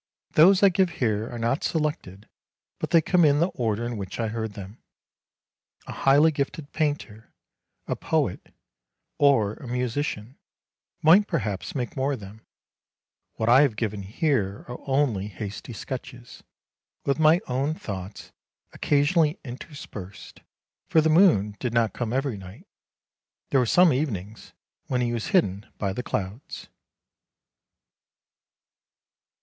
Those I give here are not selected, but they come in the order in 230 WHAT THE MOON SAW 231 which I heard them. A highly gifted painter, a poet, or a musician might perhaps make more of them; what I have given here are only hasty sketches, with my own thoughts occa sionally interspersed, for the moon did not come every night, there were some evenings when he was hidden by the clouds.